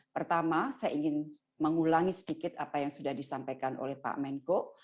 pertama saya ingin mengulangi sedikit apa yang sudah disampaikan oleh pak menko